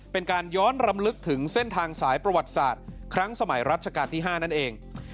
เป็นการย้อนรำลึกถึงเส้นทางสายประวัติศาสตร์ครั้งสมัยรัชกาลที่๕นั่นเอง